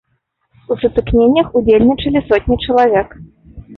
У сутыкненнях удзельнічалі сотні чалавек.